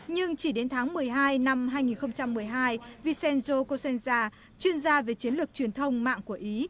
nhưng chỉ đến tháng một mươi hai năm hai nghìn một mươi hai vicenjo kosenza chuyên gia về chiến lược truyền thông mạng của ý